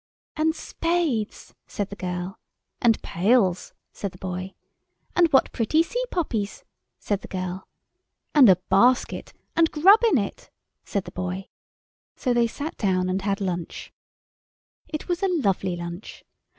"And spades!" said the girl. "And pails!" said the boy. "And what pretty sea poppies," said the girl. "And a basket—and grub in it!" said the boy. So they sat down and had lunch. It was a lovely lunch.